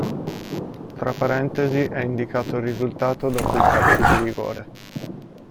Tra parentesi è indicato il risultato dopo i calci di rigore.